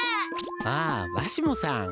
ああわしもさん。